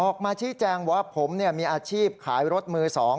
ออกมาชี้แจงว่าผมมีอาชีพขายรถมือ๒